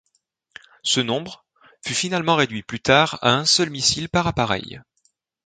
Ce nombre fut finalement réduit plus tard à un seul missile par appareil.